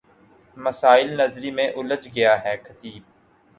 مسائل نظری میں الجھ گیا ہے خطیب